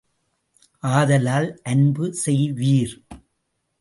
ஆதலால் அன்பு செய்வீர்!